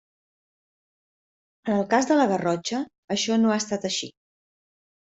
En el cas de la Garrotxa això no ha estat així.